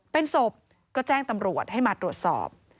เป็นศพก็แจ้งตำรวจให้มาตรวจสอบ